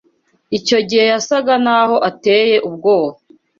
Icyo gihe yasaga naho ateye ubwoba.